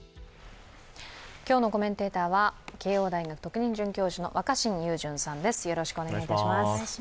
今日のコメンテーターは慶応大学特任准教授の若新雄純さんです。